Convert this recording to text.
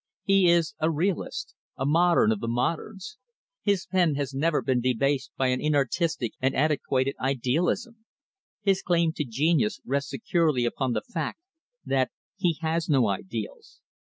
He is a realist a modern of the moderns. His pen has never been debased by an inartistic and antiquated idealism. His claim to genius rests securely upon the fact that he has no ideals.